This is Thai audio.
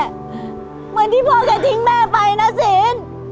เหมือนที่พ่อแกทิ้งแม่ไปนะศีล